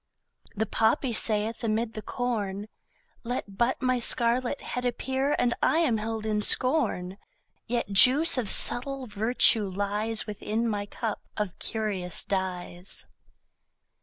The poppy saith amid the corn: Let but my scarlet head appear And I am held in scorn; Yet juice of subtle virtue lies Within my cup of curious dyes.